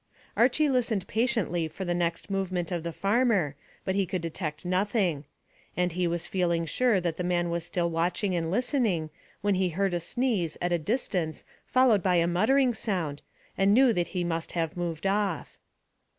Archy listened patiently for the next movement of the farmer, but he could detect nothing, and he was feeling sure that the man was still watching and listening, when he heard a sneeze at a distance followed by a muttering sound, and knew that he must have moved off.